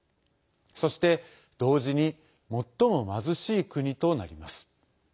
そして、同時に最も貧しい国となります。